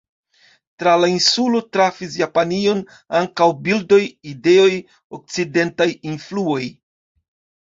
Tra la insulo trafis Japanion ankaŭ bildoj, ideoj, okcidentaj influoj.